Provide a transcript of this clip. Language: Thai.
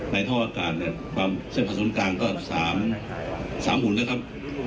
ท่ออากาศเนี่ยความเส้นผสมกลางก็๓หุ่นนะครับ